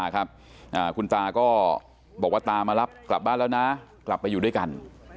คุณตาก็บอกว่าตามารับกลับบ้านแล้วนะกลับไปอยู่ด้วยกัน